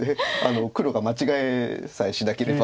黒が間違えさえしなければ。